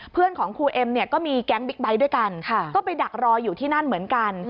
เพื่อนของครูเอ็มเนี่ยก็มีแก๊งบิ๊กไบท์ด้วยกันก็ไปดักรออยู่ที่นั่นเหมือนกัน